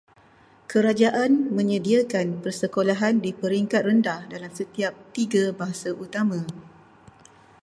Kerajaan menyediakan persekolahan di peringkat rendah dalam setiap tiga bahasa utama.